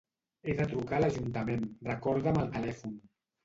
He de trucar a l'Ajuntament, recorda'm el telèfon.